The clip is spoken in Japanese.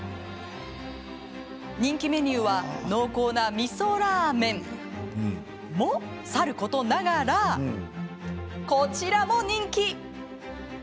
人気メニューは濃厚な、みそラーメンも、さることながらこちらも人気。